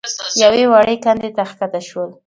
يوې وړې کندې ته کښته شول.